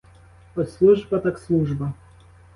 От служба, так служба!